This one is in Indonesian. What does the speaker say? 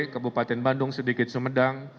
kebupaten bandung sedikit sumedang